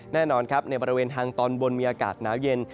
แน่นอนครับในบริเวณทางตอนบนมีอากาศหนาวเย็น